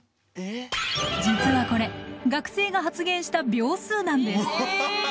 実はこれ学生が発言した秒数なんです。